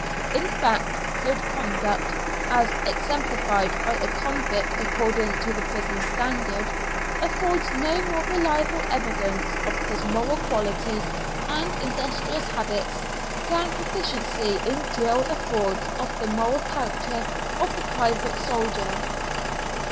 In fact, "good conduct," as exemplified by a convict according to the prison standard, affords no more reliable evidence of his moral qualities and industrious habits, than proficiency in drill affords of the moral character of the private soldier.